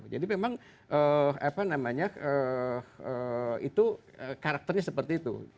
jadi memang apa namanya itu karakternya seperti itu